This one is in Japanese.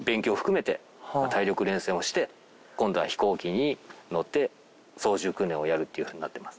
今度は飛行機に乗って操縦訓練をやるっていうふうになってます。